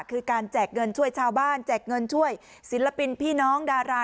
คือการแจกเงินช่วยชาวบ้านแจกเงินช่วยศิลปินพี่น้องดารา